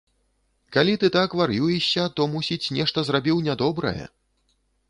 Калі ты так вар'юешся, то, мусіць, нешта зрабіў нядобрае.